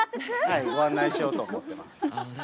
はい、ご案内しようと思っています。